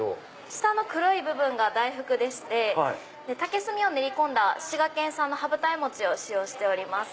下の黒い部分が大福でして竹炭を練り込んだ滋賀県産の羽二重餅を使用しております。